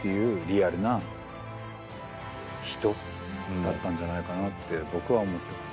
だったんじゃないかなって僕は思ってます。